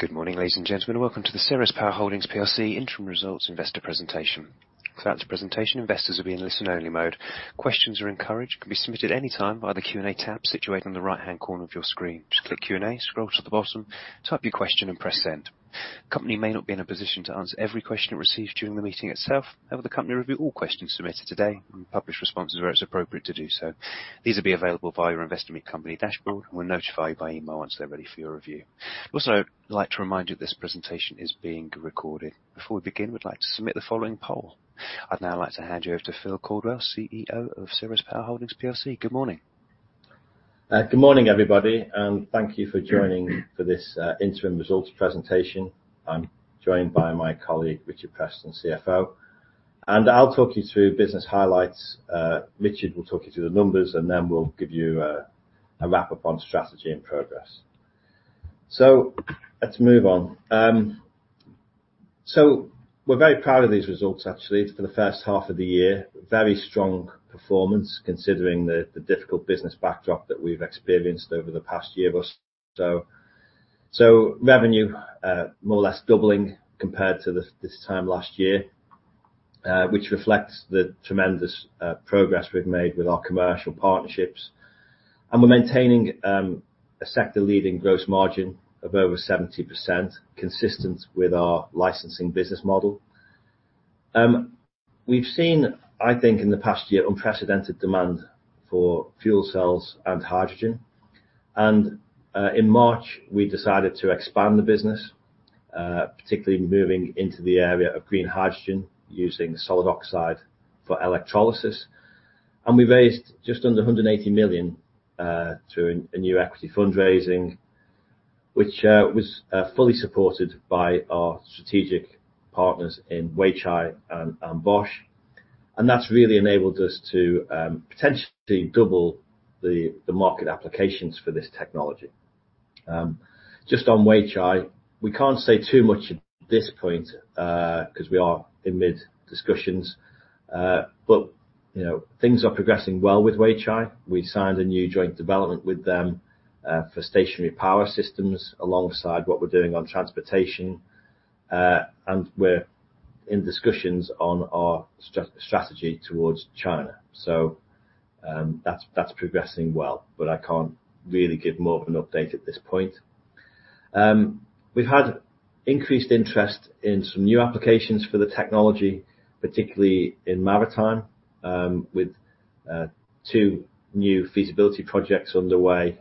Good morning, ladies and gentlemen. Welcome to the Ceres Power Holdings plc Interim Results Investor Presentation. Throughout the presentation, investors will be in listen only mode. Questions are encouraged, can be submitted anytime via the Q&A tab situated in the right-hand corner of your screen. Just click Q&A, scroll to the bottom, type your question and press send. Company may not be in a position to answer every question it receives during the meeting itself. However, the Company will review all questions submitted today and publish responses where it's appropriate to do so. These will be available via your Investor Meet Company dashboard. We'll notify you by email once they're ready for your review. Also, I'd like to remind you this presentation is being recorded. Before we begin, we'd like to submit the following poll. I'd now like to hand you over to Phil Caldwell, CEO of Ceres Power Holdings plc. Good morning. Good morning, everybody, and thank you for joining for this interim results presentation. I'm joined by my colleague, Richard Preston, CFO, and I'll talk you through business highlights. Richard will talk you through the numbers, and then we'll give you a wrap-up on strategy and progress. Let's move on. We're very proud of these results actually for the first half of the year. Very strong performance considering the difficult business backdrop that we've experienced over the past year or so. Revenue, more or less doubling compared to this time last year, which reflects the tremendous progress we've made with our commercial partnerships. We're maintaining, a sector leading gross margin of over 70%, consistent with our licensing business model. We've seen, I think in the past year, unprecedented demand for fuel cells and hydrogen. In March, we decided to expand the business, particularly moving into the area of green hydrogen using solid oxide for electrolysis. We raised just under 180 million through a new equity fundraising, which was fully supported by our strategic partners in Weichai and Bosch, and that's really enabled us to potentially double the market applications for this technology. Just on Weichai, we can't say too much at this point because we are in mid discussions. Things are progressing well with Weichai. We signed a new joint development with them for stationary power systems alongside what we're doing on transportation. We're in discussions on our strategy towards China. That's progressing well, but I can't really give more of an update at this point. We've had increased interest in some new applications for the technology, particularly in maritime, with two new feasibility projects underway,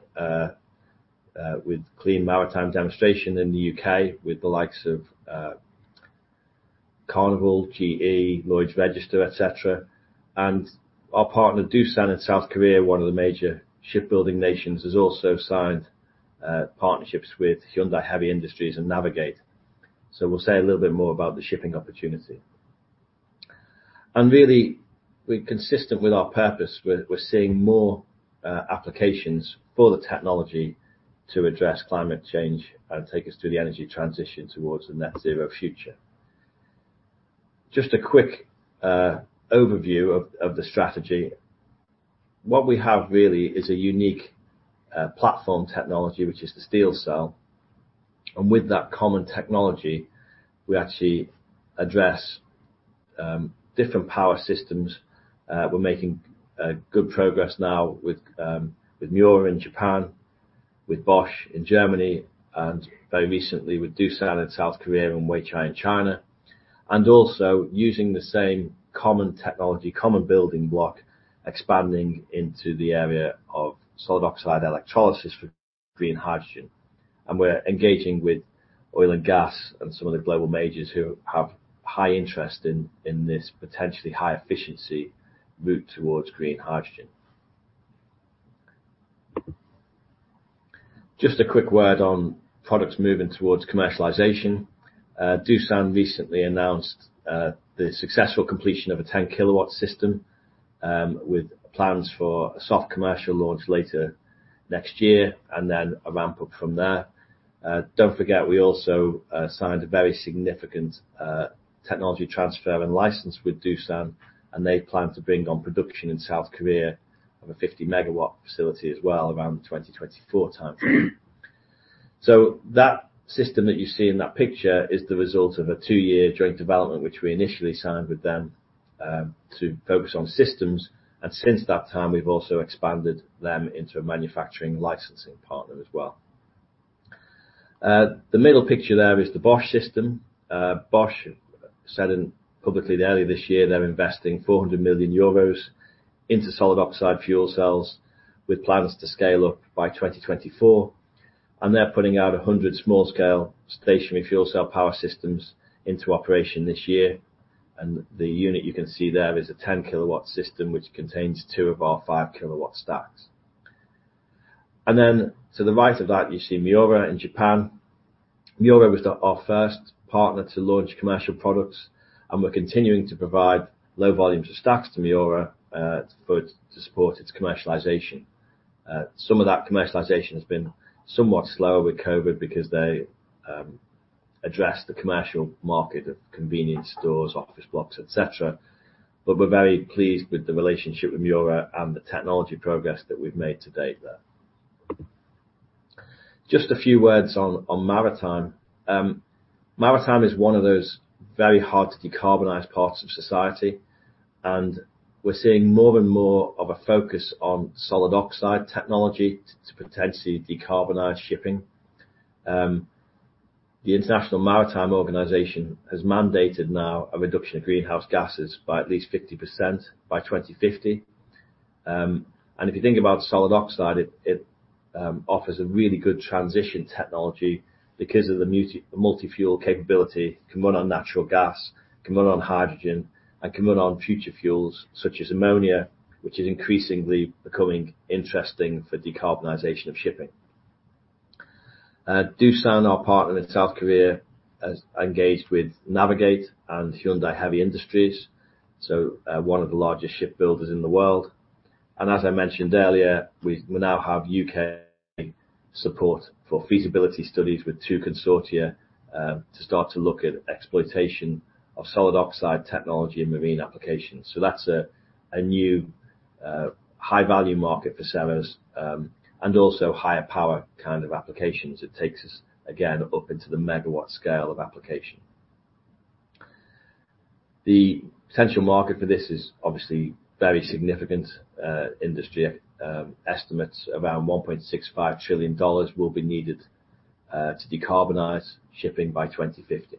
with clean maritime demonstration in the U.K. with the likes of Carnival, GE, Lloyd's Register, et cetera. Our partner Doosan in South Korea, one of the major shipbuilding nations, has also signed partnerships with Hyundai Heavy Industries and Navig8. We'll say a little bit more about the shipping opportunity. Really, we're consistent with our purpose. We're seeing more applications for the technology to address climate change and take us to the energy transition towards a net zero future. Just a quick overview of the strategy. What we have really is a unique platform technology, which is the SteelCell, and with that common technology, we actually address different power systems. We're making good progress now with Miura in Japan, with Bosch in Germany, very recently with Doosan in South Korea and Weichai in China. Also using the same common technology, common building block, expanding into the area of solid oxide electrolysis for green hydrogen. We're engaging with oil and gas and some of the global majors who have high interest in this potentially high efficiency route towards green hydrogen. Just a quick word on products moving towards commercialization. Doosan recently announced the successful completion of a 10 kW system, with plans for a soft commercial launch later next year and then a ramp-up from there. Don't forget, we also signed a very significant technology transfer and license with Doosan, and they plan to bring on production in South Korea of a 50 MW facility as well around 2024 timeframe. That system that you see in that picture is the result of a two-year joint development, which we initially signed with them, to focus on systems. Since that time, we've also expanded them into a manufacturing licensing partner as well. The middle picture there is the Bosch system. Bosch said it publicly earlier this year, they're investing 400 million euros into solid oxide fuel cells with plans to scale up by 2024, and they're putting out 100 small scale stationary fuel cell power systems into operation this year. The unit you can see there is a 10 kW system, which contains two of our 5 kW stacks. To the right of that, you see Miura in Japan. Miura was our first partner to launch commercial products, and we're continuing to provide low volumes of stacks to Miura, to support its commercialization. Some of that commercialization has been somewhat slower with COVID because they address the commercial market of convenience stores, office blocks, etc. We're very pleased with the relationship with Miura and the technology progress that we've made to date there. Just a few words on maritime. Maritime is one of those very hard to decarbonize parts of society, and we're seeing more and more of a focus on solid oxide technology to potentially decarbonize shipping. The International Maritime Organization has mandated now a reduction of greenhouse gases by at least 50% by 2050. If you think about solid oxide, it offers a really good transition technology because of the multi-fuel capability. It can run on natural gas, can run on hydrogen, and can run on future fuels such as ammonia, which is increasingly becoming interesting for decarbonization of shipping. Doosan, our partner in South Korea, has engaged with Navig8 and Hyundai Heavy Industries, one of the largest ship builders in the world. As I mentioned earlier, we now have U.K. support for feasibility studies with two consortia, to start to look at exploitation of solid oxide technology and marine applications. That's a new, high-value market for Ceres, and also higher power kind of applications. It takes us, again, up into the MW scale of application. The potential market for this is obviously very significant. Industry estimates around $1.65 trillion will be needed to decarbonize shipping by 2050.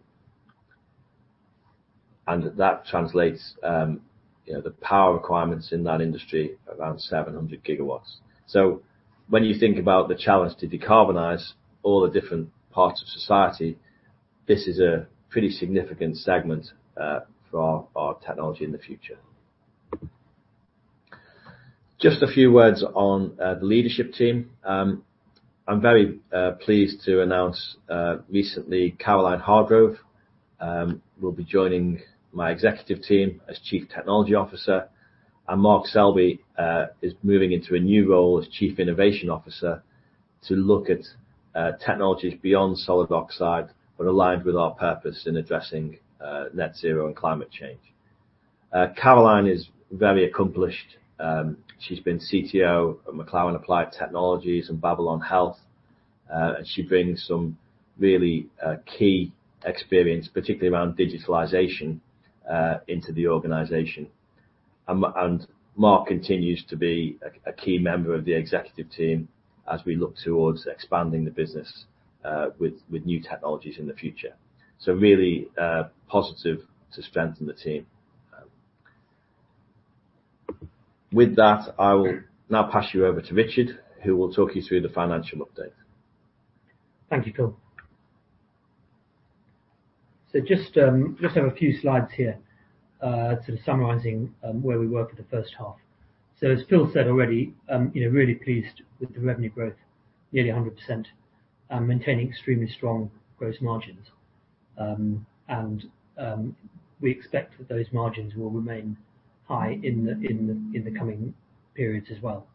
That translates, the power requirements in that industry, around 700 GW. When you think about the challenge to decarbonize all the different parts of society, this is a pretty significant segment for our technology in the future. Just a few words on the leadership team. I'm very pleased to announce recently, Caroline Hargrove, will be joining my executive team as Chief Technology Officer, and Mark Selby is moving into a new role as Chief Innovation Officer to look at technologies beyond solid oxide, but aligned with our purpose in addressing net zero and climate change. Caroline is very accomplished. She's been CTO at McLaren Applied Technologies and Babylon Health. She brings some really key experience, particularly around digitalization, into the organization. Mark continues to be a key member of the executive team as we look towards expanding the business with new technologies in the future. Really positive to strengthen the team. With that, I will now pass you over to Richard, who will talk you through the financial update. Thank you, Phil. Just have a few slides here sort of summarizing where we were for the first half. As Phil said already, really pleased with the revenue growth, nearly 100%, maintaining extremely strong gross margins. We expect that those margins will remain high in the coming periods as well.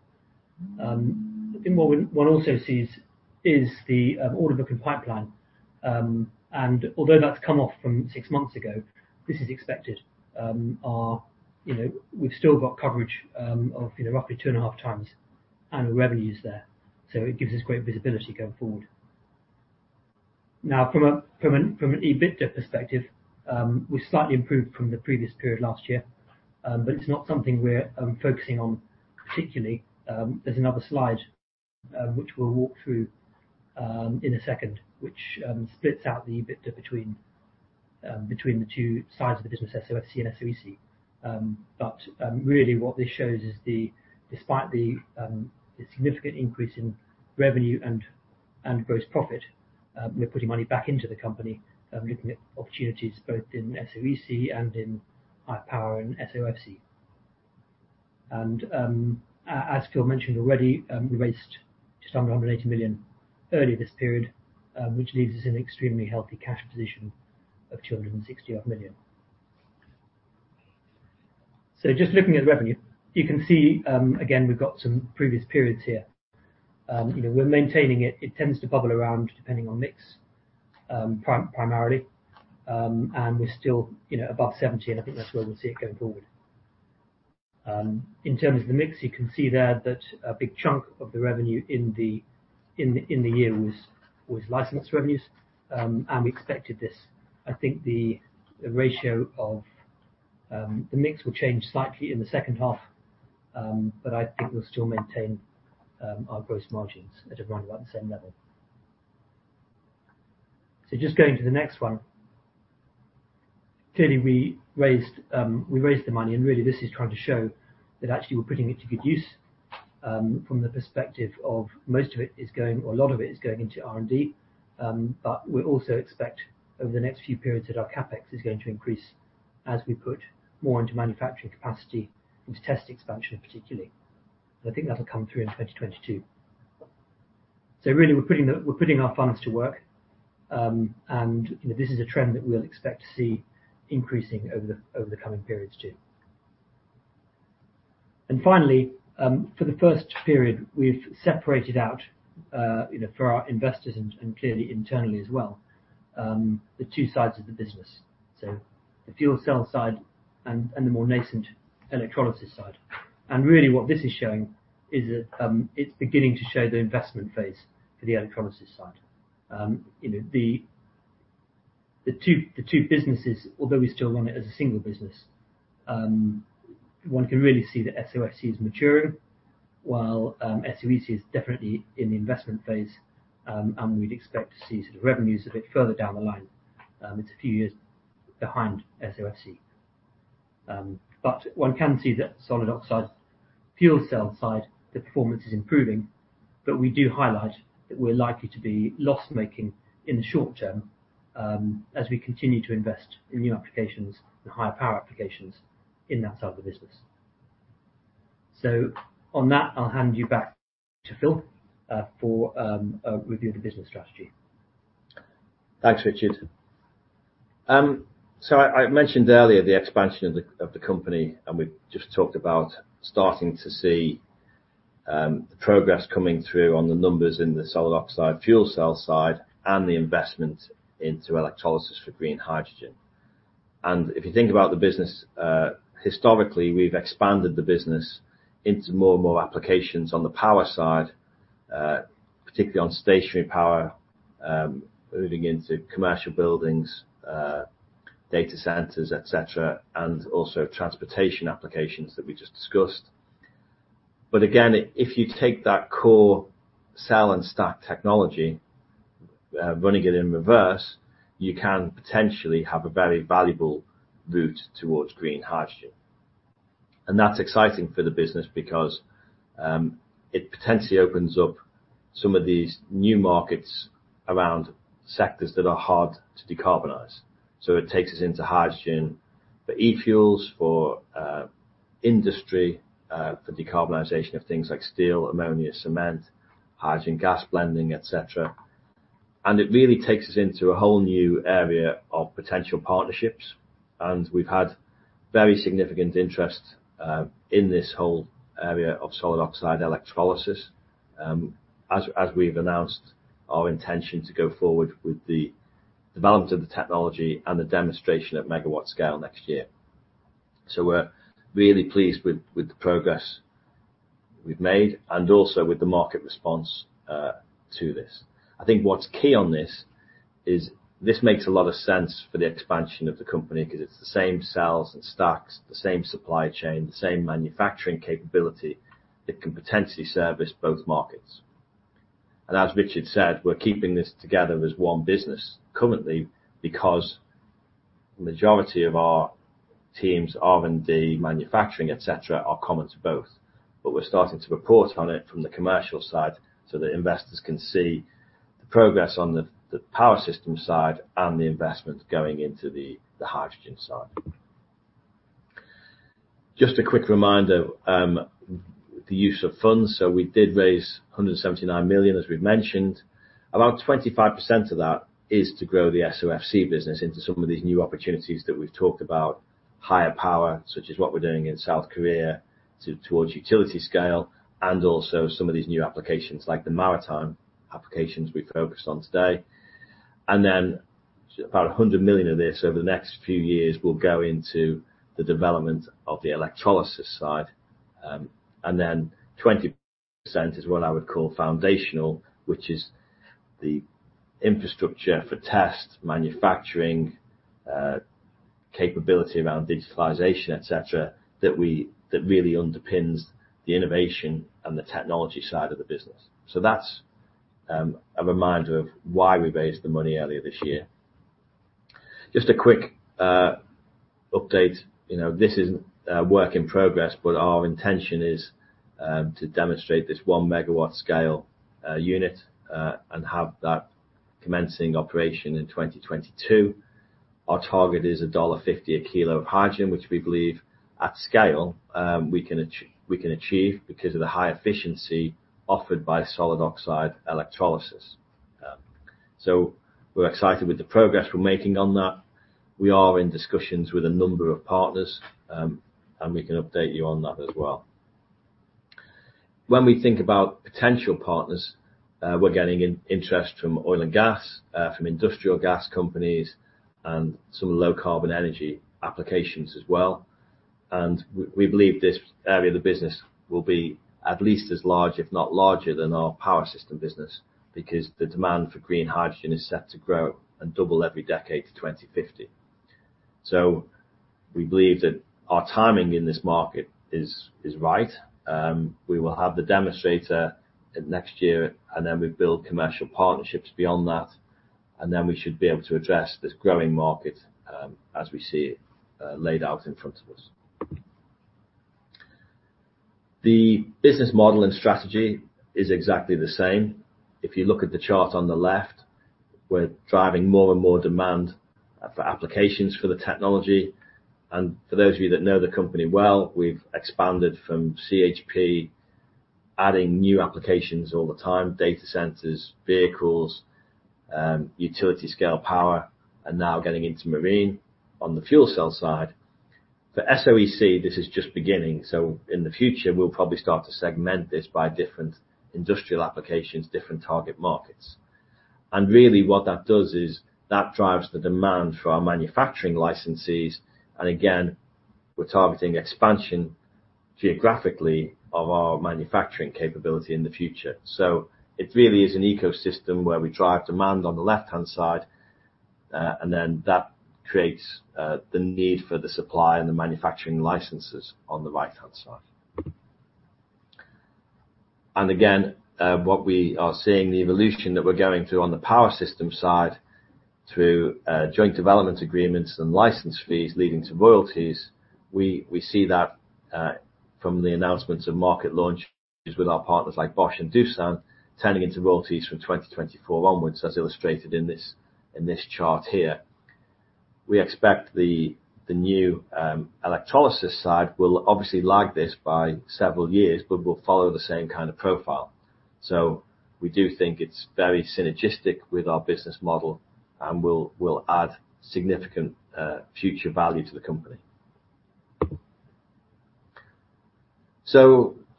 What one also sees is the order book and pipeline. Although that's come off from six months ago, this is expected. We've still got coverage of roughly two and a half times annual revenues there, so it gives us great visibility going forward. From an EBITDA perspective, we've slightly improved from the previous period last year, but it's not something we're focusing on particularly. There's another slide which we'll walk through in a second, which splits out the EBITDA between the two sides of the business, SOFC and SOEC. Really what this shows is despite the significant increase in revenue and gross profit, we're putting money back into the company, looking at opportunities both in SOEC and in high power and SOFC. As Phil mentioned already, we raised just under 180 million earlier this period, which leaves us in an extremely healthy cash position of 260 odd million. Just looking at revenue, you can see, again, we've got some previous periods here. We're maintaining it. It tends to bubble around depending on mix, primarily. We're still above 70%, and I think that's where we'll see it going forward. In terms of the mix, you can see there that a big chunk of the revenue in the year was license revenues, and we expected this. I think the ratio of the mix will change slightly in the second half, but I think we'll still maintain our gross margins at around about the same level. Just going to the next one. Clearly, we raised the money, and really this is trying to show that actually we're putting it to good use, from the perspective of most of it is going, or a lot of it is going into R&D. We also expect over the next few periods that our CapEx is going to increase as we put more into manufacturing capacity, into test expansion particularly. I think that'll come through in 2022. Really, we're putting our finance to work, and this is a trend that we'll expect to see increasing over the coming periods, too. Finally, for the first period, we've separated out, for our investors and clearly internally as well, the two sides of the business. The fuel cell side and the more nascent electrolysis side. Really what this is showing is that it's beginning to show the investment phase for the electrolysis side. The two businesses, although we still run it as a single business, one can really see that SOFC is maturing, while SOEC is definitely in the investment phase, and we'd expect to see sort of revenues a bit further down the line. It's a few years behind SOFC. One can see that solid oxide fuel cell side, the performance is improving, but we do highlight that we're likely to be loss-making in the short term, as we continue to invest in new applications and higher power applications in that side of the business. On that, I'll hand you back to Phil, for a review of the business strategy. Thanks, Richard. I mentioned earlier the expansion of the company, and we've just talked about starting to see progress coming through on the numbers in the solid oxide fuel cell side and the investment into electrolysis for green hydrogen. If you think about the business, historically, we've expanded the business into more and more applications on the power side, particularly on stationary power, moving into commercial buildings, data centers, et cetera, and also transportation applications that we just discussed. Again, if you take that core cell and stack technology, running it in reverse, you can potentially have a very valuable route towards green hydrogen. That's exciting for the business because it potentially opens up some of these new markets around sectors that are hard to decarbonize. It takes us into hydrogen for e-fuels, for industry, for decarbonization of things like steel, ammonia, cement, hydrogen gas blending, et cetera. It really takes us into a whole new area of potential partnerships, and we've had very significant interest in this whole area of solid oxide electrolysis. As we've announced our intention to go forward with the development of the technology and the demonstration at MW scale next year. We're really pleased with the progress we've made and also with the market response to this. I think what's key on this is this makes a lot of sense for the expansion of the company because it's the same cells and stacks, the same supply chain, the same manufacturing capability that can potentially service both markets. As Richard said, we're keeping this together as one business currently, because majority of our teams, R&D, manufacturing, et cetera, are common to both. We're starting to report on it from the commercial side so that investors can see the progress on the power system side and the investment going into the hydrogen side. Just a quick reminder, the use of funds. We did raise 179 million, as we've mentioned. About 25% of that is to grow the SOFC business into some of these new opportunities that we've talked about, higher power, such as what we're doing in South Korea towards utility scale, and also some of these new applications like the maritime applications we focused on today. About 100 million of this over the next few years will go into the development of the electrolysis side. 20% is what I would call foundational, which is the infrastructure for test, manufacturing, capability around digitalization, et cetera, that really underpins the innovation and the technology side of the business. That's a reminder of why we raised the money earlier this year. Just a quick update. This is a work in progress, but our intention is to demonstrate this 1 MW scale unit, and have that commencing operation in 2022. Our target is $1.50 a kilo of hydrogen, which we believe at scale, we can achieve because of the high efficiency offered by solid oxide electrolysis. We're excited with the progress we're making on that. We are in discussions with a number of partners, and we can update you on that as well. When we think about potential partners, we're getting in interest from oil and gas, from industrial gas companies, and some low carbon energy applications as well. We believe this area of the business will be at least as large, if not larger than our power system business, because the demand for green hydrogen is set to grow and double every decade to 2050. We believe that our timing in this market is right. We will have the demonstrator next year, we build commercial partnerships beyond that, and then we should be able to address this growing market, as we see it laid out in front of us. The business model and strategy is exactly the same. If you look at the chart on the left, we're driving more and more demand for applications for the technology. For those of you that know the company well, we've expanded from CHP, adding new applications all the time, data centers, vehicles, utility scale power, and now getting into marine on the fuel cell side. For SOEC, this is just beginning. In the future, we'll probably start to segment this by different industrial applications, different target markets. Really what that does is that drives the demand for our manufacturing licensees, and again, we're targeting expansion geographically of our manufacturing capability in the future. It really is an ecosystem where we drive demand on the left-hand side, and then that creates the need for the supply and the manufacturing licenses on the right-hand side. Again, what we are seeing, the evolution that we're going through on the power system side through joint development agreements and license fees leading to royalties, we see that from the announcements of market launches with our partners like Bosch and Doosan turning into royalties from 2024 onwards, as illustrated in this chart here. We expect the new electrolysis side will obviously lag this by several years, but will follow the same kind of profile. We do think it's very synergistic with our business model and will add significant future value to the company.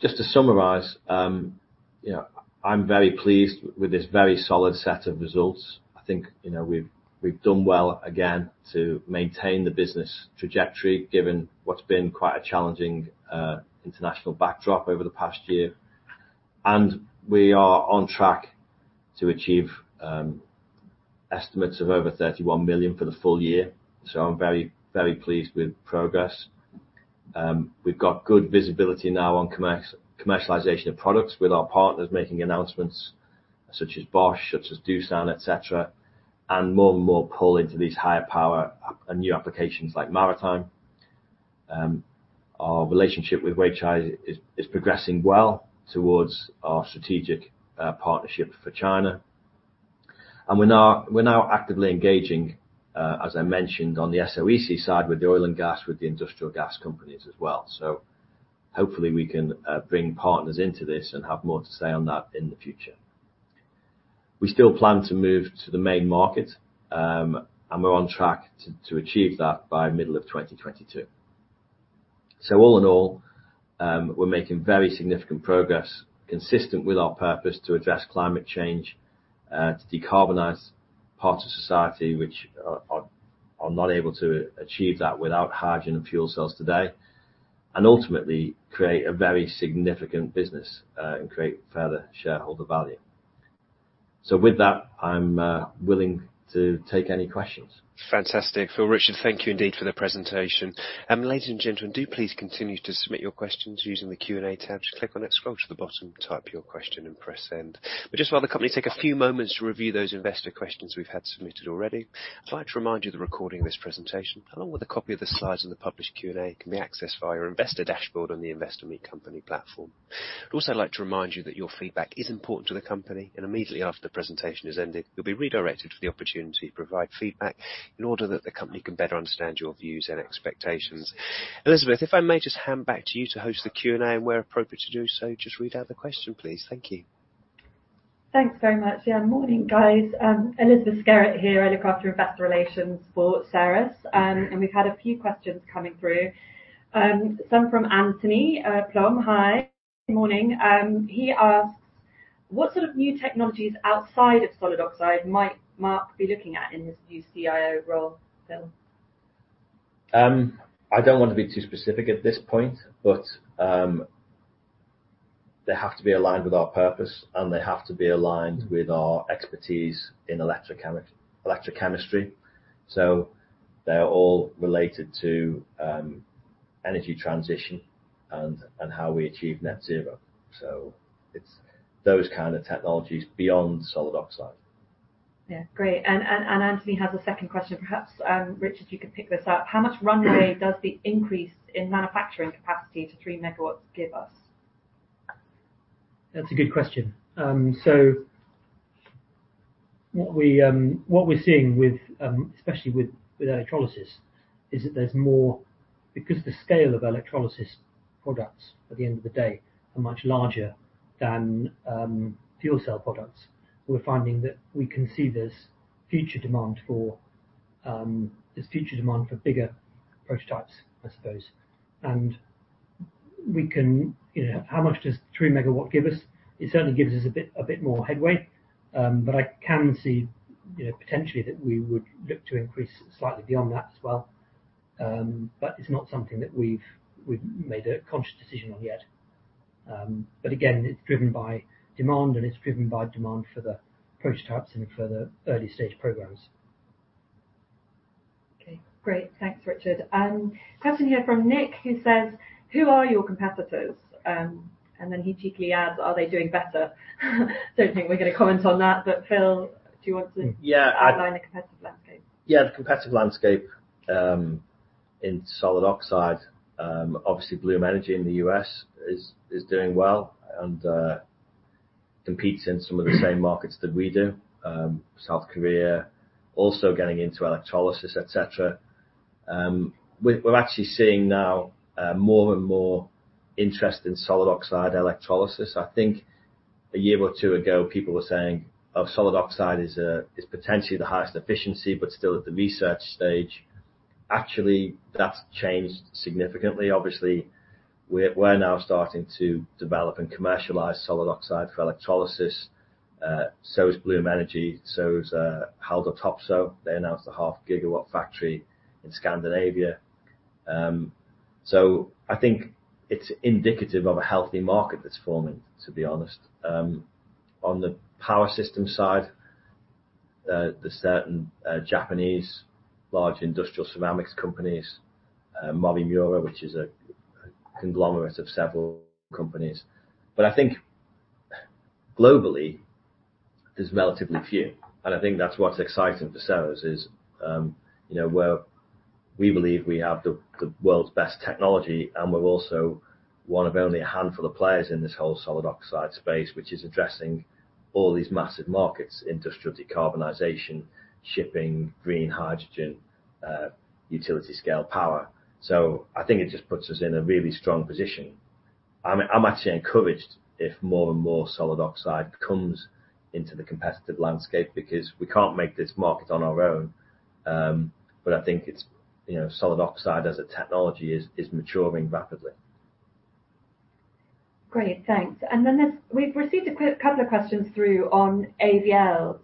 Just to summarize, I'm very pleased with this very solid set of results. I think we've done well, again, to maintain the business trajectory given what's been quite a challenging international backdrop over the past year. We are on track to achieve estimates of over 31 million for the full-year, so I'm very, very pleased with progress. We've got good visibility now on commercialization of products with our partners making announcements such as Bosch, such as Doosan, et cetera, and more and more pull into these higher power and new applications like maritime. Our relationship with Weichai is progressing well towards our strategic partnership for China. We're now actively engaging, as I mentioned, on the SOEC side with the oil and gas, with the industrial gas companies as well. Hopefully we can bring partners into this and have more to say on that in the future. We still plan to move to the main market, and we're on track to achieve that by middle of 2022. All in all, we're making very significant progress consistent with our purpose to address climate change, to decarbonize parts of society which are not able to achieve that without hydrogen and fuel cells today, and ultimately create a very significant business, and create further shareholder value. With that, I'm willing to take any questions. Fantastic. Phil, Richard, thank you indeed for the presentation. Ladies and gentlemen, do please continue to submit your questions using the Q&A tab. Just click on it, scroll to the bottom, type your question and press send. Just while the company take a few moments to review those investor questions we've had submitted already, I'd like to remind you the recording of this presentation, along with a copy of the slides and the published Q&A, can be accessed via your investor dashboard on the Investor Meet Company platform. I'd also like to remind you that your feedback is important to the company, and immediately after the presentation has ended, you'll be redirected with the opportunity to provide feedback in order that the company can better understand your views and expectations. Elizabeth, if I may just hand back to you to host the Q&A and where appropriate to do so, just read out the question, please. Thank you. Thanks very much. Yeah, morning, guys. Elizabeth Skerritt here. I look after investor relations for Ceres, and we've had a few questions coming through. Some from Anthony Plumb. Hi. Morning. He asks, "What sort of new technologies outside of solid oxide might Mark be looking at in his new CIO role, Phil? I don't want to be too specific at this point, but they have to be aligned with our purpose, and they have to be aligned with our expertise in electrochemistry. They're all related to energy transition and how we achieve net zero. It's those kind of technologies beyond solid oxide. Yeah. Great. Anthony has a second question. Perhaps, Richard, you could pick this up. "How much runway does the increase in manufacturing capacity to 3 MW give us? That's a good question. What we're seeing, especially with electrolysis, is that there's more because the scale of electrolysis products, at the end of the day, are much larger than fuel cell products. We're finding that we can see there's future demand for bigger prototypes, I suppose. How much does 3 MW give us? It certainly gives us a bit more headway. I can see potentially that we would look to increase slightly beyond that as well. It's not something that we've made a conscious decision on yet. Again, it's driven by demand, and it's driven by demand for the prototypes and for the early-stage programs. Okay. Great. Thanks, Richard. Question here from Nick, who says, "Who are your competitors?" He cheekily adds, "Are they doing better?" Don't think we're going to comment on that, but Phil, do you want to Yeah outline the competitive landscape? Yeah. The competitive landscape in solid oxide, obviously Bloom Energy in the U.S. is doing well and competes in some of the same markets that we do. South Korea, also getting into electrolysis, et cetera. We're actually seeing now more and more interest in solid oxide electrolysis. I think a year or two ago, people were saying, "Oh, solid oxide is potentially the highest efficiency, but still at the research stage." That's changed significantly. We're now starting to develop and commercialize solid oxide for electrolysis. Bloom Energy, so is Haldor Topsoe. They announced a half gigawatt factory in Scandinavia. I think it's indicative of a healthy market that's forming, to be honest. On the power system side, the certain Japanese large industrial ceramics companies, Morimura, which is a conglomerate of several companies. I think globally, there's relatively few, and I think that's what's exciting for Ceres is, we believe we have the world's best technology, and we're also one of only a handful of players in this whole solid oxide space, which is addressing all these massive markets, industrial decarbonization, shipping green hydrogen, utility scale power. I think it just puts us in a really strong position. I'm actually encouraged if more and more solid oxide comes into the competitive landscape, because we can't make this market on our own. I think solid oxide as a technology is maturing rapidly. Great. Thanks. We've received a couple of questions through on AVL.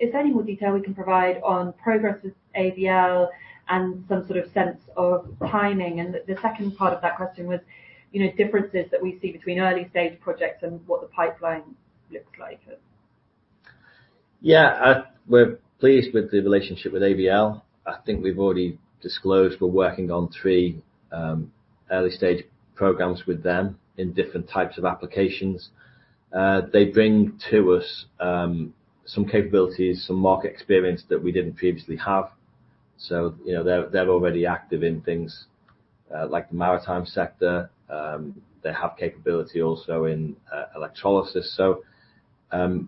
Is there any more detail we can provide on progress with AVL and some sort of sense of timing? The second part of that question was differences that we see between early stage projects and what the pipeline looks like. We're pleased with the relationship with AVL. I think we've already disclosed we're working on three early stage programs with them in different types of applications. They bring to us some capabilities, some market experience that we didn't previously have. They're already active in things like the maritime sector. They have capability also in electrolysis. I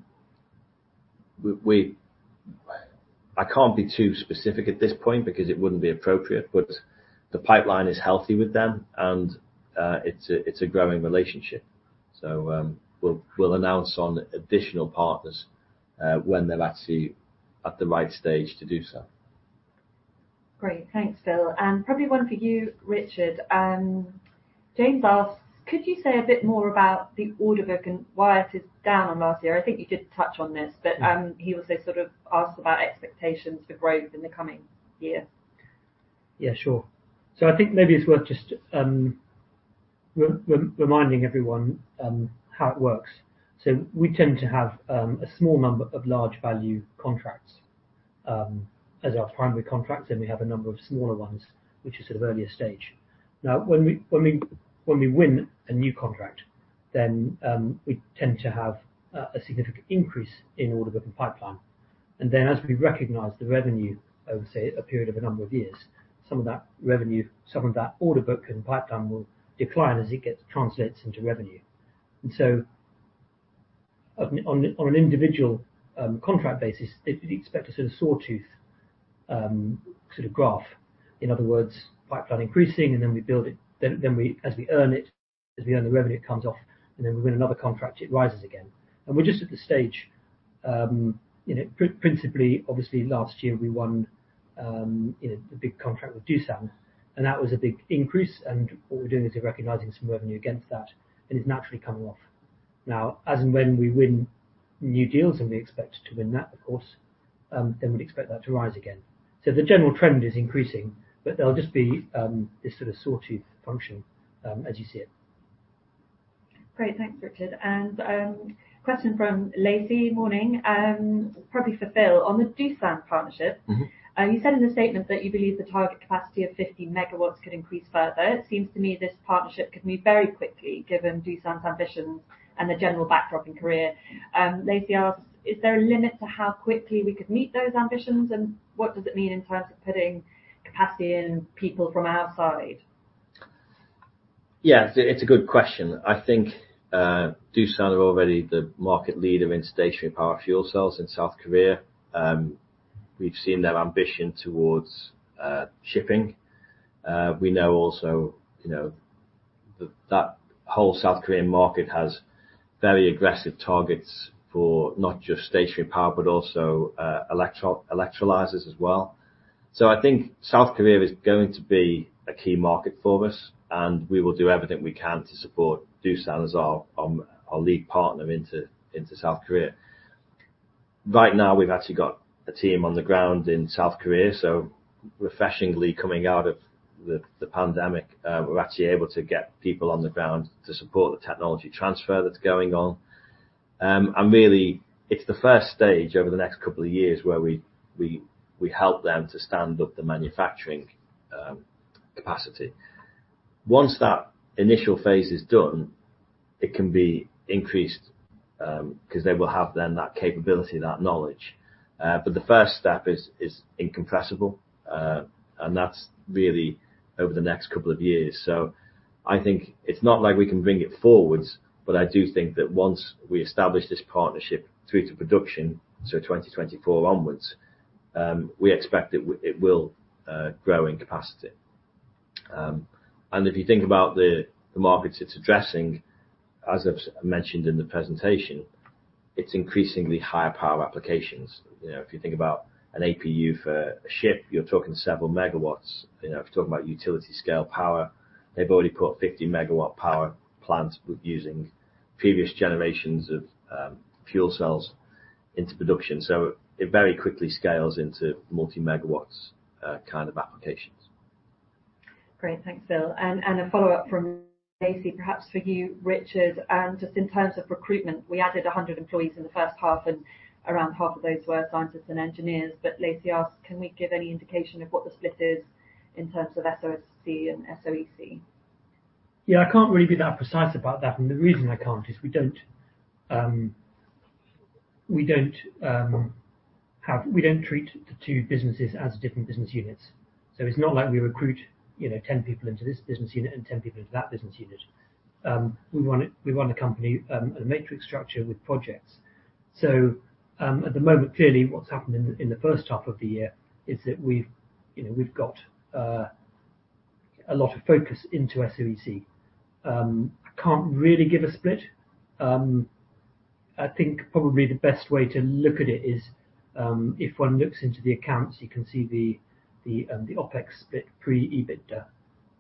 can't be too specific at this point because it wouldn't be appropriate, but the pipeline is healthy with them and it's a growing relationship. We'll announce on additional partners when they're actually at the right stage to do so. Great. Thanks, Phil. Probably one for you, Richard. James asks, could you say a bit more about the order book and why it is down on last year? I think you did touch on this, but he also sort of asked about expectations for growth in the coming year. Yeah, sure. I think maybe it's worth just reminding everyone how it works. We tend to have a small number of large value contracts as our primary contracts, and we have a number of smaller ones, which are sort of earlier stage. When we win a new contract, then we tend to have a significant increase in order book and pipeline. Then as we recognize the revenue over, say, a period of a number of years, some of that revenue, some of that order book and pipeline will decline as it translates into revenue. On an individual contract basis, you'd expect a sort of sawtooth graph. In other words, pipeline increasing, and then as we earn the revenue, it comes off, and then we win another contract, it rises again. We're just at the stage, principally, obviously last year we won the big contract with Doosan, and that was a big increase, and what we're doing is we're recognizing some revenue against that and it's naturally coming off. As and when we win new deals, and we expect to win that, of course, then we'd expect that to rise again. The general trend is increasing, but there'll just be this sort of sawtooth function as you see it. Great. Thanks, Richard. Question from Lacey. Morning. Probably for Phil. On the Doosan partnership. You said in the statement that you believe the target capacity of 50 MW could increase further. It seems to me this partnership could move very quickly given Doosan's ambitions and the general backdrop in Korea. Lacey asks, is there a limit to how quickly we could meet those ambitions, and what does it mean in terms of putting capacity and people from outside? Yeah. It's a good question. I think Doosan are already the market leader in stationary power fuel cells in South Korea. We've seen their ambition towards shipping. We know also that whole South Korean market has very aggressive targets for not just stationary power but also electrolyzers as well. I think South Korea is going to be a key market for us, and we will do everything we can to support Doosan as our lead partner into South Korea. Right now, we've actually got a team on the ground in South Korea, refreshingly coming out of the pandemic, we're actually able to get people on the ground to support the technology transfer that's going on. Really, it's the first stage over the next couple of years where we help them to stand up the manufacturing capacity. Once that initial phase is done, it can be increased because they will have then that capability, that knowledge. The first step is incompressible, and that's really over the next couple of years. I think it's not like we can bring it forward, but I do think that once we establish this partnership through to production, 2024 onwards, we expect it will grow in capacity. If you think about the markets it's addressing, as I've mentioned in the presentation, it's increasingly higher power applications. If you think about an APU for a ship, you're talking several MWs. If you're talking about utility scale power, they've already put 50 MW power plants using previous generations of fuel cells into production. It very quickly scales into multi MWs kind of applications. Great. Thanks, Phil. A follow-up from Lacey, perhaps for you, Richard. Just in terms of recruitment, we added 100 employees in the first half, and around half of those were scientists and engineers. Lacey asked, can we give any indication of what the split is in terms of SOFC and SOEC? Yeah, I can't really be that precise about that, and the reason I can't is we don't treat the two businesses as different business units. It's not like we recruit 10 people into this business unit and 10 people into that business unit. We run a company, a matrix structure with projects. At the moment, clearly, what's happened in the first half of the year is that we've got a lot of focus into SOEC. I can't really give a split. I think probably the best way to look at it is, if one looks into the accounts, you can see the OPEX bit pre-EBITDA,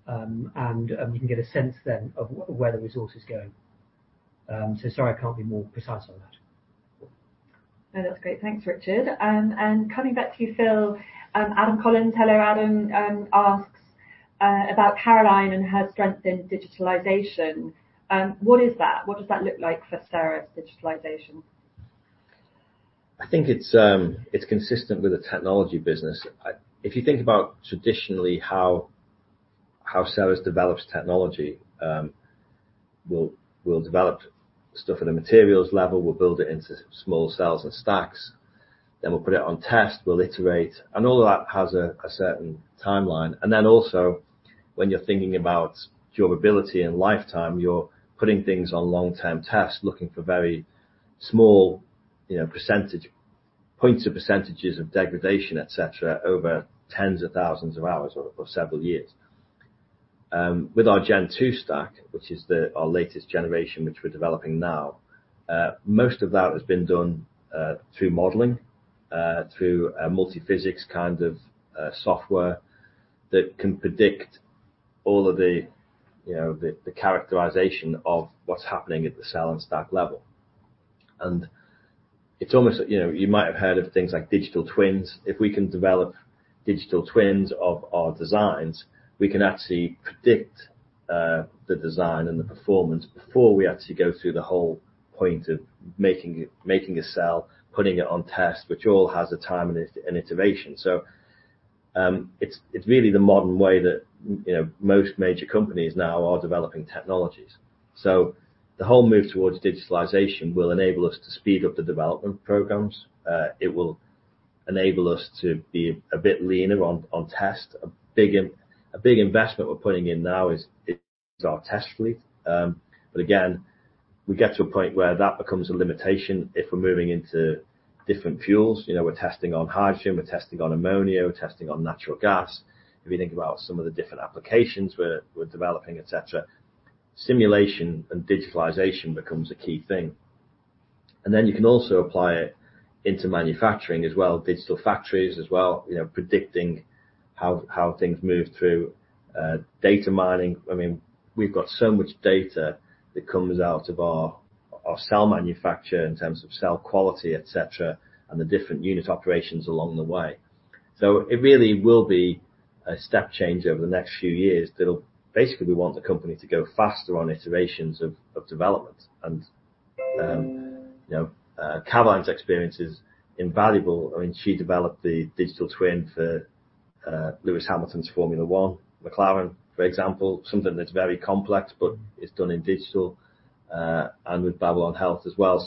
and you can get a sense then of where the resource is going. Sorry, I can't be more precise on that. No, that's great. Thanks, Richard. Coming back to you, Phil. Adam Collins, hello Adam, asks about Caroline and her strength in digitalization. What is that? What does that look like for Ceres digitalization? I think it's consistent with a technology business. If you think about traditionally how Ceres develops technology, we'll develop stuff at a materials level, we'll build it into small cells and stacks, then we'll put it on test, we'll iterate, all of that has a certain timeline. Then also when you're thinking about durability and lifetime, you're putting things on long-term tests, looking for very small points or percentages of degradation, et cetera, over tens of thousands of hours or several years. With our Gen 2 stack, which is our latest generation, which we're developing now, most of that has been done through modeling, through multi-physics kind of software that can predict all of the characterization of what's happening at the cell and stack level. You might have heard of things like digital twins. If we can develop digital twins of our designs, we can actually predict the design and the performance before we actually go through the whole point of making a cell, putting it on test, which all has a time and iteration. It's really the modern way that most major companies now are developing technologies. The whole move towards digitalization will enable us to speed up the development programs. It will enable us to be a bit leaner on test. A big investment we're putting in now is our test fleet. Again, we get to a point where that becomes a limitation if we're moving into different fuels. We're testing on hydrogen, we're testing on ammonia, we're testing on natural gas. If you think about some of the different applications we're developing, et cetera, simulation and digitalization becomes a key thing. You can also apply it into manufacturing as well, digital factories as well, predicting how things move through data mining. We've got so much data that comes out of our cell manufacture in terms of cell quality, et cetera, and the different unit operations along the way. It really will be a step change over the next few years that'll basically want the company to go faster on iterations of development. Caroline's experience is invaluable. She developed the digital twin for Lewis Hamilton's Formula One, McLaren, for example, something that's very complex, but it's done in digital, and with Babylon Health as well.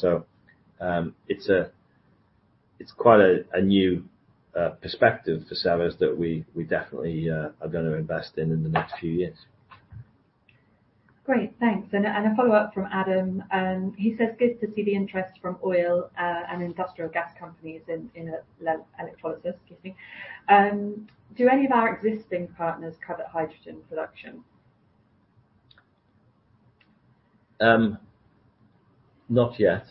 It's quite a new perspective for Ceres that we definitely are going to invest in the next few years. Great. Thanks. A follow-up from Adam. He says, "Good to see the interest from oil, and industrial gas companies in electrolysis." Excuse me. "Do any of our existing partners cover hydrogen production? Not yet.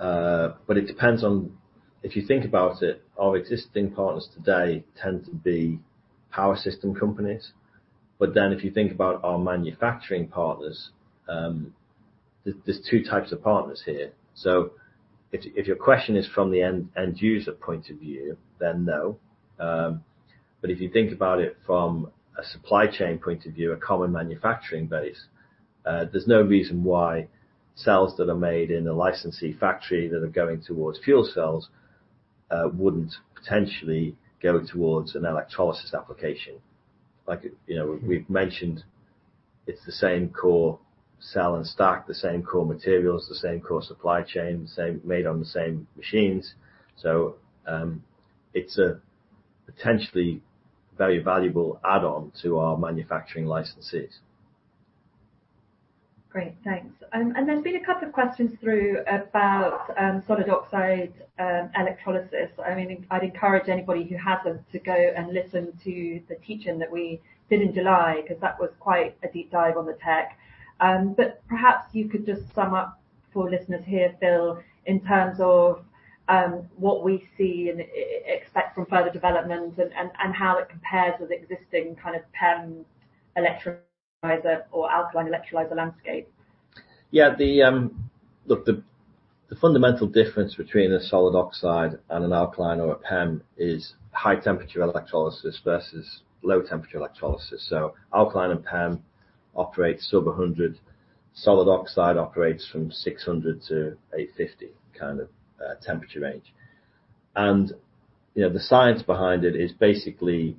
It depends on, if you think about it, our existing partners today tend to be power system companies. If you think about our manufacturing partners, there's two types of partners here. If your question is from the end user point of view, no. If you think about it from a supply chain point of view, a common manufacturing base, there's no reason why cells that are made in a licensee factory that are going towards fuel cells, wouldn't potentially go towards an electrolysis application. It's the same core cell and stack, the same core materials, the same core supply chain, made on the same machines. It's a potentially very valuable add-on to our manufacturing licenses. Great. Thanks. There's been a couple of questions through about solid oxide electrolysis. I'd encourage anybody who has them to go and listen to the teach-in that we did in July, because that was quite a deep dive on the tech. Perhaps you could just sum up for listeners here, Phil, in terms of what we see and expect from further development and how it compares with existing kind of PEM electrolyser or Alkaline electrolyser landscape. Yeah. Look, the fundamental difference between a solid oxide and an alkaline or a PEM is high temperature electrolysis versus low temperature electrolysis. Alkaline and PEM operates sub 100, solid oxide operates from 600 to 850 kind of temperature range. The science behind it is basically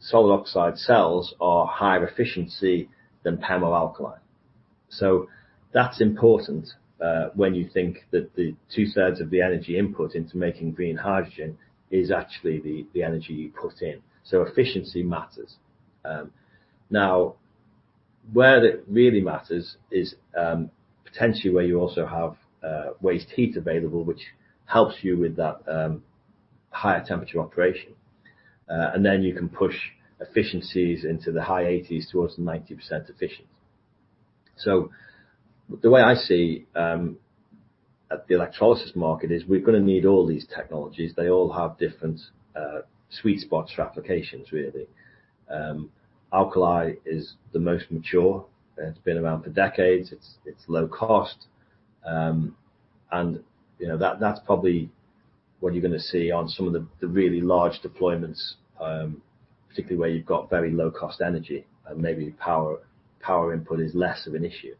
solid oxide cells are higher efficiency than PEM or alkaline. That's important, when you think that the two-thirds of the energy input into making green hydrogen is actually the energy you put in. Efficiency matters. Now, where it really matters is, potentially, where you also have waste heat available, which helps you with that higher temperature operation. Then you can push efficiencies into the high 80s towards 90% efficient. The way I see the electrolysis market is we're going to need all these technologies. They all have different sweet spots for applications, really. Alkaline is the most mature. It's been around for decades. It's low cost. That's probably what you're going to see on some of the really large deployments, particularly where you've got very low cost energy and maybe power input is less of an issue.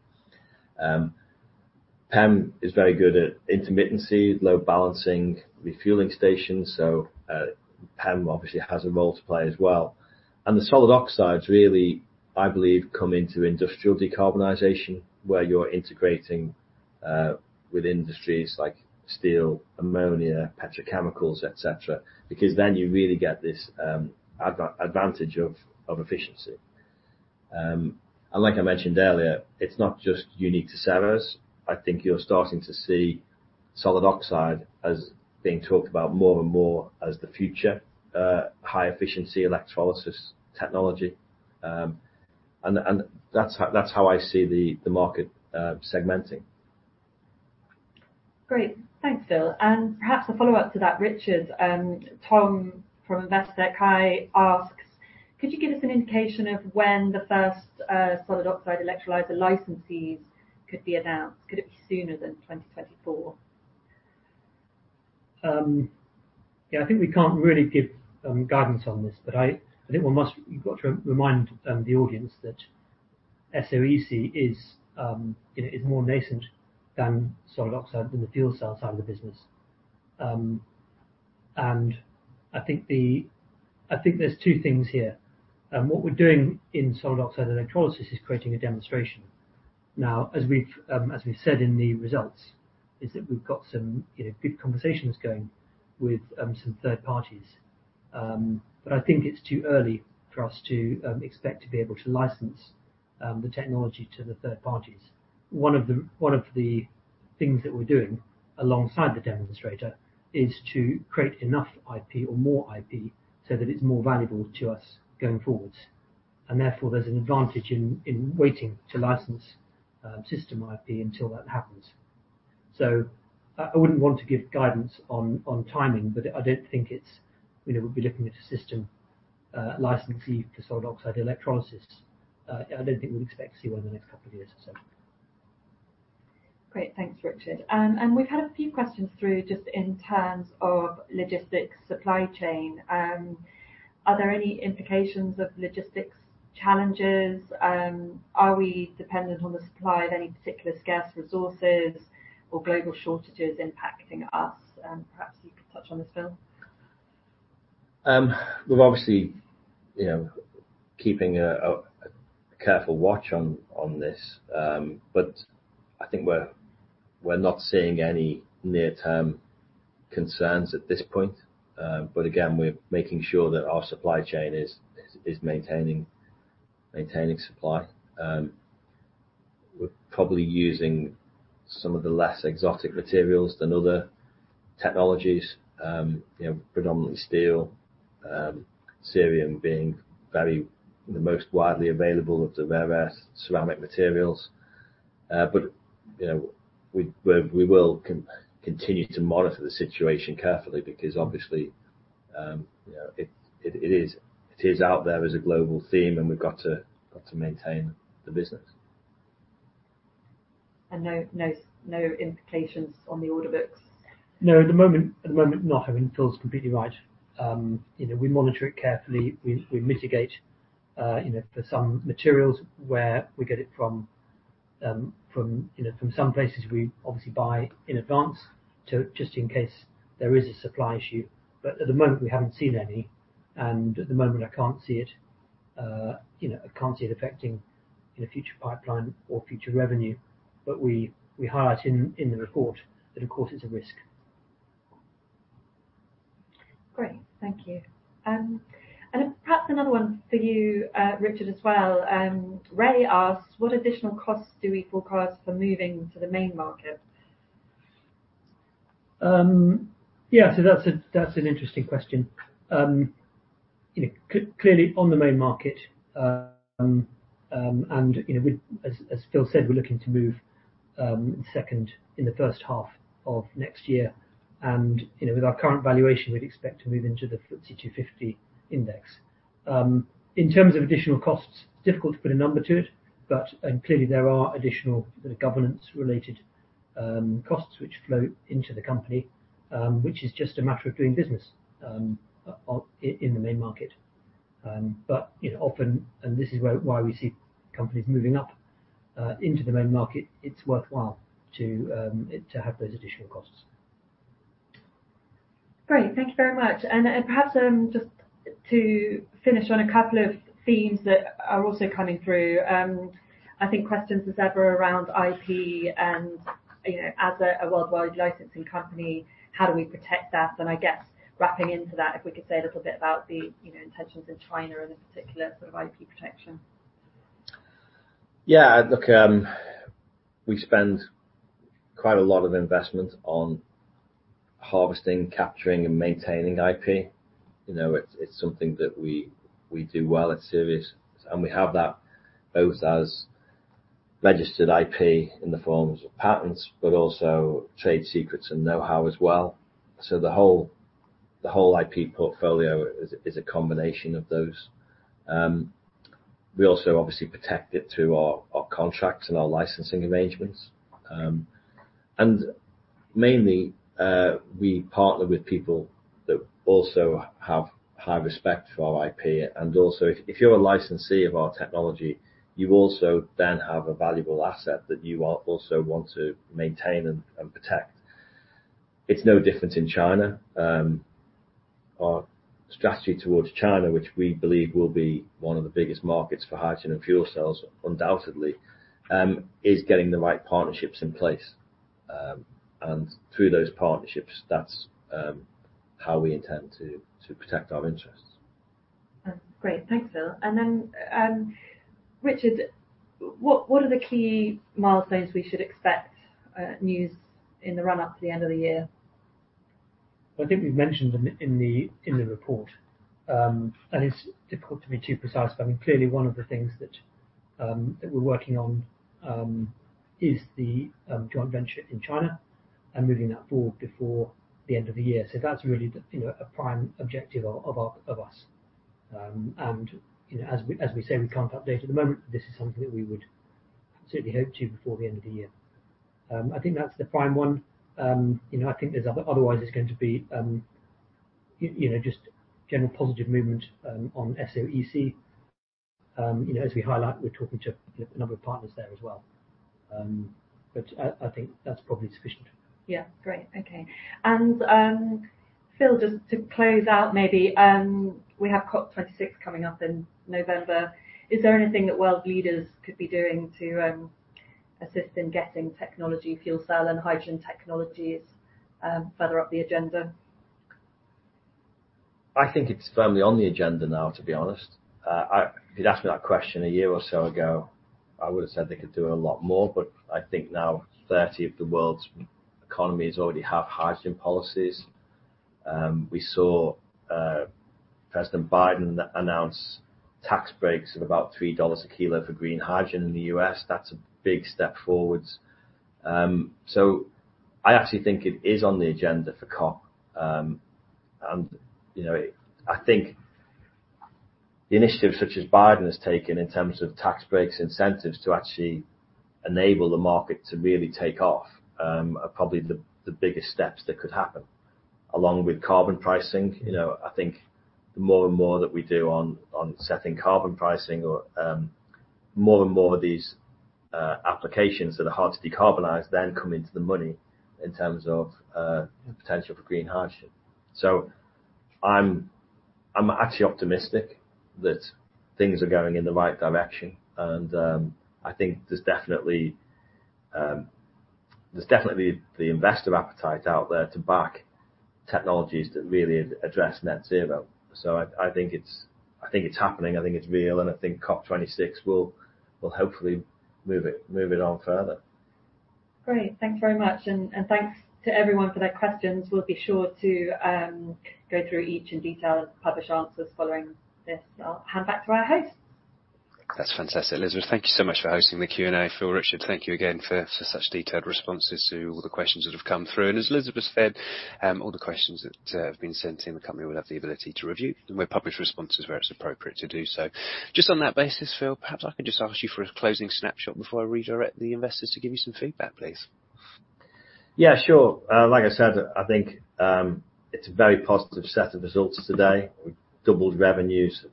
PEM is very good at intermittency, load balancing, refueling stations. PEM obviously has a role to play as well. The solid oxides, really, I believe, come into industrial decarbonization where you're integrating with industries like steel, ammonia, petrochemicals, et cetera, because then you really get this advantage of efficiency. Like I mentioned earlier, it's not just unique to Ceres. I think you're starting to see solid oxide as being talked about more and more as the future high efficiency electrolysis technology. That's how I see the market segmenting. Great. Thanks, Phil. Perhaps a follow-up to that, Richard, Tom from Investec asks, could you give us an indication of when the first solid oxide electrolyser licensees could be announced? Could it be sooner than 2024? I think we can't really give guidance on this, but I think we've got to remind the audience that SOEC is more nascent than solid oxide in the fuel cell side of the business. I think there's two things here. What we're doing in solid oxide electrolysis is creating a demonstration. As we've said in the results, is that we've got some good conversations going with some third parties. I think it's too early for us to expect to be able to license the technology to the third parties. One of the things that we're doing alongside the demonstrator is to create enough IP or more IP so that it's more valuable to us going forwards. Therefore, there's an advantage in waiting to license system IP until that happens. I wouldn't want to give guidance on timing, but I don't think we'll be looking at a system licensee for solid oxide electrolysis. I don't think we'll expect to see one in the next couple of years or so. Great. Thanks, Richard. We've had a few questions through just in terms of logistics supply chain. Are there any implications of logistics challenges? Are we dependent on the supply of any particular scarce resources or global shortages impacting us? Perhaps you could touch on this, Phil. We're obviously keeping a careful watch on this, but I think we're not seeing any near term concerns at this point. Again, we're making sure that our supply chain is maintaining supply. We're probably using some of the less exotic materials than other technologies. Predominantly steel, cerium being the most widely available of the rare earth ceramic materials. We will continue to monitor the situation carefully because obviously, it is out there as a global theme, and we've got to maintain the business. No implications on the order books? No, at the moment, not. I mean, Phil's completely right. We monitor it carefully. We mitigate for some materials where we get it from some places we obviously buy in advance just in case there is a supply issue. At the moment we haven't seen any, at the moment I can't see it affecting future pipeline or future revenue. We highlight in the report that of course it's a risk. Great. Thank you. Perhaps another one for you, Richard, as well. Ray asks, "What additional costs do we forecast for moving to the main market? That's an interesting question. Clearly, on the main market, and as Phil said, we're looking to move second in the first half of next year, and with our current valuation, we'd expect to move into the FTSE 250 index. In terms of additional costs, difficult to put a number to it, but clearly there are additional governance related costs which flow into the company, which is just a matter of doing business in the main market. Often, and this is why we see companies moving up into the main market, it's worthwhile to have those additional costs. Great. Thank you very much. Perhaps just to finish on a couple of themes that are also coming through. I think questions, as ever, around IP and, as a worldwide licensing company, how do we protect that? I guess wrapping into that, if we could say a little bit about the intentions in China and the particular sort of IP protection. Look, we spend quite a lot of investment on harvesting, capturing, and maintaining IP. It's something that we do well at Ceres, and we have that both as registered IP in the forms of patents, but also trade secrets and knowhow as well. The whole IP portfolio is a combination of those. We also obviously protect it through our contracts and our licensing arrangements. Mainly, we partner with people that also have high respect for our IP. Also, if you're a licensee of our technology, you also then have a valuable asset that you also want to maintain and protect. It's no different in China. Our strategy towards China, which we believe will be one of the biggest markets for hydrogen and fuel cells undoubtedly, is getting the right partnerships in place. Through those partnerships, that's how we intend to protect our interests. Great. Thanks, Phil. Richard, what are the key milestones we should expect news in the run-up to the end of the year? I think we've mentioned in the report, and it's difficult to be too precise, but clearly one of the things that we're working on is the joint venture in China and moving that forward before the end of the year. That's really a prime objective of us. As we say, we can't update at the moment, but this is something that we would certainly hope to before the end of the year. I think that's the prime one. Otherwise, it's going to be just general positive movement on SOEC. As we highlight, we're talking to a number of partners there as well, but I think that's probably sufficient. Yeah. Great. Okay. Phil, just to close out maybe, we have COP26 coming up in November. Is there anything that world leaders could be doing to assist in getting technology, fuel cell, and hydrogen technologies further up the agenda? I think it's firmly on the agenda now, to be honest. If you'd asked me that question a year or so ago, I would've said they could do a lot more. I think now 30 of the world's economies already have hydrogen policies. We saw President Biden announce tax breaks of about $3 a kilo for green hydrogen in the U.S. That's a big step forwards. I actually think it is on the agenda for COP. I think the initiatives such as Biden has taken in terms of tax breaks incentives to actually enable the market to really take off are probably the biggest steps that could happen, along with carbon pricing. I think the more and more that we do on setting carbon pricing, or more and more of these applications that are hard to decarbonize then come into the money in terms of potential for green hydrogen. I'm actually optimistic that things are going in the right direction, and I think there's definitely the investor appetite out there to back technologies that really address net zero. I think it's happening, I think it's real, and I think COP26 will hopefully move it on further. Great. Thanks very much. Thanks to everyone for their questions. We'll be sure to go through each in detail and publish answers following this. I'll hand back to our host. That's fantastic, Elizabeth. Thank you so much for hosting the Q&A. Phil, Richard, thank you again for such detailed responses to all the questions that have come through. As Elizabeth said, all the questions that have been sent in, the company will have the ability to review, and we'll publish responses where it's appropriate to do so. Just on that basis, Phil, perhaps I could just ask you for a closing snapshot before I redirect the investors to give you some feedback, please. Yeah, sure. Like I said, I think it's a very positive set of results today. We've doubled revenues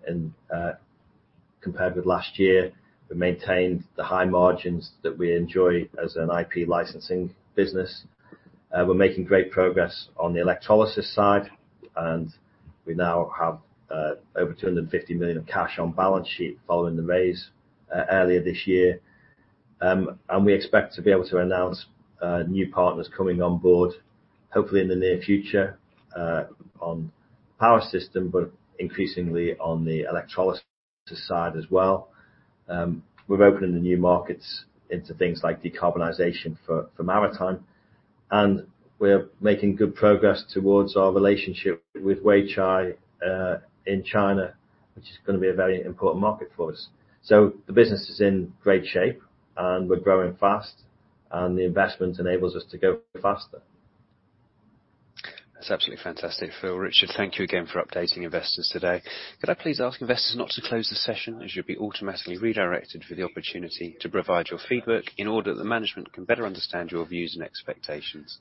compared with last year. We maintained the high margins that we enjoy as an IP licensing business. We're making great progress on the electrolysis side, and we now have over 250 million of cash on balance sheet following the raise earlier this year. We expect to be able to announce new partners coming on board, hopefully in the near future, on power system, but increasingly on the electrolysis side as well. We're opening the new markets into things like decarbonization for maritime, and we're making good progress towards our relationship with Weichai in China, which is going to be a very important market for us. The business is in great shape, and we're growing fast, and the investment enables us to go faster. That's absolutely fantastic, Phil, Richard. Thank you again for updating investors today. Could I please ask investors not to close the session, as you'll be automatically redirected for the opportunity to provide your feedback in order that the management can better understand your views and expectations.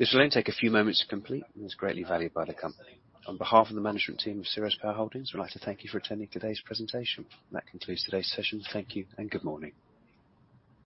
This will only take a few moments to complete and is greatly valued by the company. On behalf of the management team of Ceres Power Holdings, we'd like to thank you for attending today's presentation. That concludes today's session. Thank you and good morning.